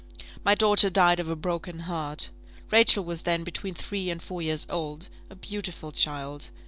My daughter died of a broken heart. Rachel was then between three and four years old; a beautiful child.